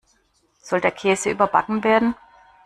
Soll der Käse überbacken werden?